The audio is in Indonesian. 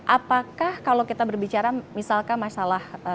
apakah kalau kita berbicara misalkan masalah